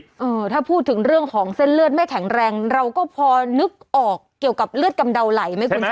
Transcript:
เออถ้าพูดถึงเรื่องของเส้นเลือดไม่แข็งแรงเราก็พอนึกออกเกี่ยวกับเลือดกำเดาไหลไหมคุณชนะ